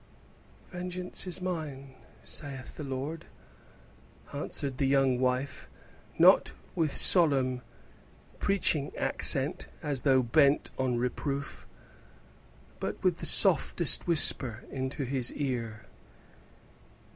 "'Vengeance is mine, saith the Lord,'" answered the young wife, not with solemn, preaching accent, as though bent on reproof, but with the softest whisper into his ear.